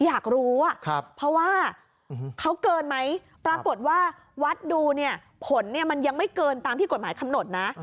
อยากรู้ว่าเขาเกินไหมปรากฏว่าวัดดูเนี่ยผลมันยังไม่เกินตามที่กฎหมายกำหนดนะ